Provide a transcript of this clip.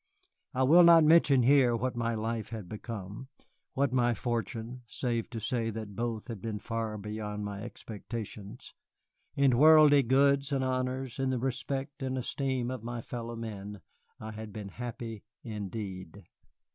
I will not mention here what my life had become, what my fortune, save to say that both had been far beyond my expectations. In worldly goods and honors, in the respect and esteem of my fellow men, I had been happy indeed.